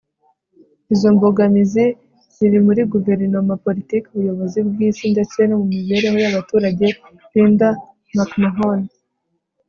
izo mbogamizi ziri muri guverinoma, politiki, ubuyobozi bw'isi, ndetse no mu mibereho y'abaturage. - linda mcmahon